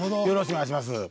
よろしくお願いします。